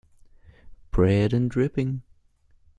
Bread and dripping.